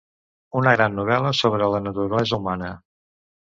Una gran novel·la sobre la naturalesa humana.